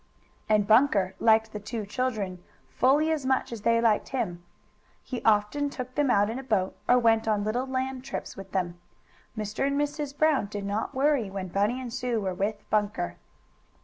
And Bunker liked the two children' fully as much as they liked him. He often took them out in a boat, or went on little land trips with them. Mr. and Mrs. Brown did not worry when Bunny and Sue were with Bunker.